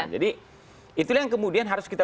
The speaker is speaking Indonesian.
jadi itu yang kemudian harus kita